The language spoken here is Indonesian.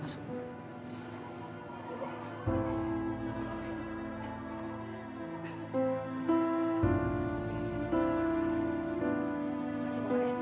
masuk ke tempat lain ya